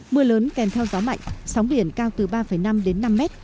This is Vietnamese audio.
mưa lớn kèn theo gió mạnh sóng điển cao từ ba năm đến năm mét